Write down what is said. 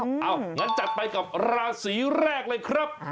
งั้นจัดไปกับราศีแรกเลยครับ